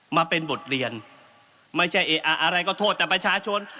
มาเป็นบทเรียนไม่ใช่เอ๊ะอะไรก็โทษแต่ประชาชน